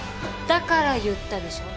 だから言ったでしょ。